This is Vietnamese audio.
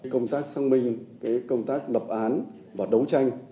công tác xác minh công tác lập án và đấu tranh